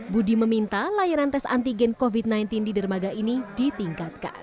budi meminta layanan tes antigen covid sembilan belas di dermaga ini ditingkatkan